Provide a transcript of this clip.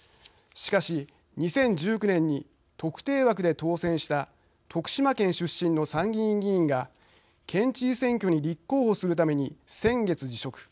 しかし、２０１９年に特定枠で当選した徳島県出身の参議院議員が県知事選挙に立候補するために先月辞職。